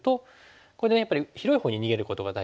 これでねやっぱり広いほうに逃げることが大事ですね。